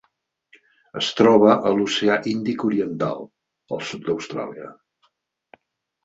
Es troba a l'Oceà Índic oriental: el sud d'Austràlia.